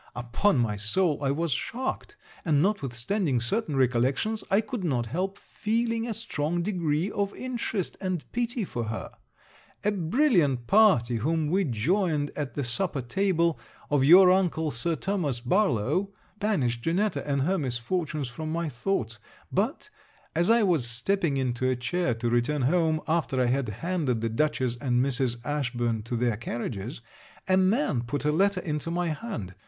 Upon my soul I was shocked; and, notwithstanding certain recollections, I could not help feeling a strong degree of interest and pity for her. A brilliant party, whom we joined at the supper table of your uncle Sir Thomas Barlowe, banished Janetta and her misfortunes from my thoughts; but, as I was stepping into a chair to return home, after I had handed the Dutchess and Mrs. Ashburn to their carriages, a man put a letter into my hand.